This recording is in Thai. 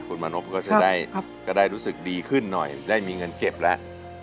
คุณมานพก็จะได้รู้สึกดีขึ้นหน่อยได้มีเงินเก็บแล้ว